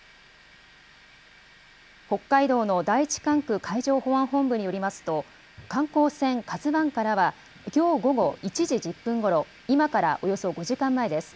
北海道の第１管区海上保安本部によりますと、観光船ＫＡＺＵわんからは、きょう午後１時１０分ごろ、今からおよそ５時間前です。